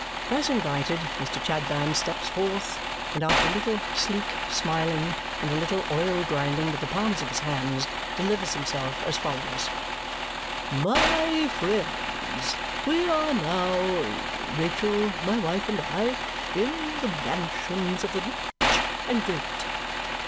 Thus invited, Mr. Chadband steps forth, and after a little sleek smiling and a little oil grinding with the palms of his hands, delivers himself as follows, "My friends, we are now Rachael, my wife, and I in the mansions of the rich and great.